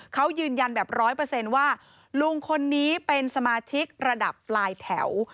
เขายืนยันแบบร้อยเปอร์เซ็นต์ว่าลุงคนนี้เป็นสมาชิกระดับปลายแถว